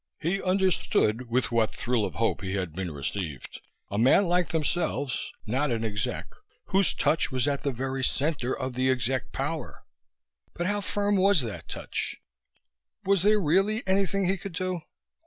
He understood with what thrill of hope he had been received a man like themselves, not an exec, whose touch was at the very center of the exec power. But how firm was that touch? Was there really anything he could do?